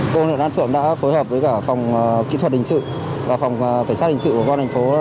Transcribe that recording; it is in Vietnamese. công an huyện đan phượng đã phối hợp với cả phòng kỹ thuật hình sự và phòng khẩn sát hình sự của con thành phố